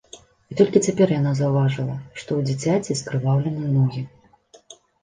І толькі цяпер яна заўважыла, што ў дзіцяці скрываўлены ногі.